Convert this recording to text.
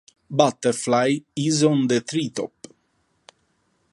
Butterfly is on the tree top”